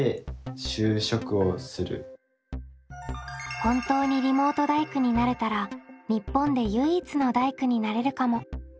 本当にリモート大工になれたら日本で唯一の大工になれるかも。